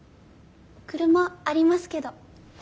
車ありますけど。